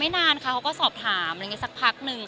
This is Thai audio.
ไม่นานค่ะไม่นานค่ะเค้าก็สอบถามสักพักหนึ่งค่ะ